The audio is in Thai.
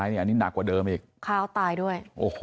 นี่หนักกว่าเดิมอีกโอ้โหค้าวตายด้วย